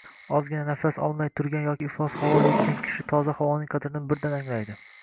Ozgina nafas olmay turgan yoki iflos havo yutgan kishi toza havoning qadrini birdan anglaydi